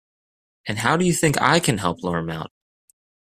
And how do you think I can help lure him out?